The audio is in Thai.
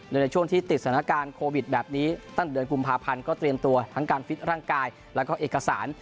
ในช่วงที่ติดสถานการณ์โควิดแบบนี้ตั้งเดือนกุมภาพันธ์ก็เตรียมตัวทั้งการฟิตร่างกายแล้วก็เอกสาร